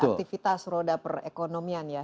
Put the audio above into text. aktivitas roda perekonomian ya